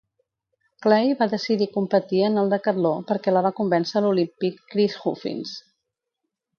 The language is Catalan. Clay va decidir competir en el decatló perquè la va convèncer l'olímpic Chris Huffins.